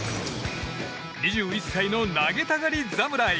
２１歳の投げたがり侍。